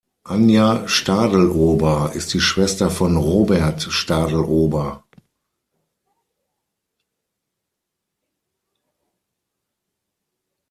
Anja Stadlober ist die Schwester von Robert Stadlober.